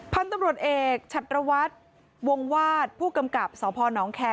พันธุ์ตำรวจเอกชัตรวัตรวงวาดผู้กำกับสพนแคร์